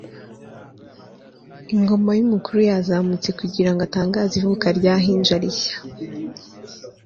ingoma y'umukuru yazamutse kugirango atangaze ivuka ryahinja rushya